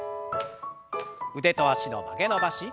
腕と脚の曲げ伸ばし。